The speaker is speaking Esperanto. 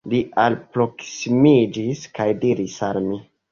Li alproksimiĝis kaj diris al mi.